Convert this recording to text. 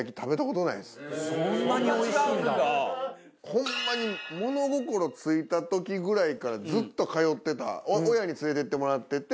ホンマに物心ついた時ぐらいからずっと通ってた親に連れていってもらってて。